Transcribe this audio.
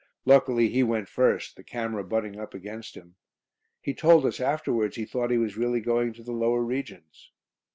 Luckily he went first, the camera butting up against him. He told us afterwards he thought he was really going to the lower regions.